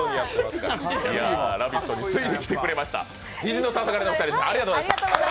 「ラヴィット！」についに来てくれました。